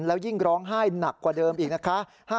แล้วยิ่งร้องไห้หนักกว่าเดิมอีกนะคะ